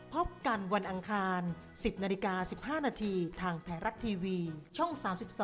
พบกันวันอังคาร๑๐นาฬิกา๑๕นาทีทางไทยรัฐทีวีช่อง๓๒